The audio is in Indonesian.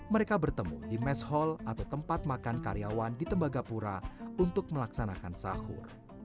mereka bertemu di mass hall atau tempat makan karyawan di tembagapura untuk melaksanakan sahur